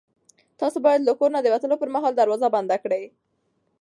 تاسو باید له کور نه د وتلو پر مهال دروازه بنده کړئ.